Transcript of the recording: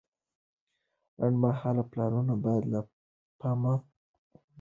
لنډمهاله پلانونه باید له پامه ونه غورځوو.